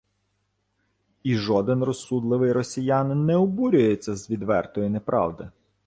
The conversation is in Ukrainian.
І жоден розсудливий росіянин не обурюється з відвертої неправди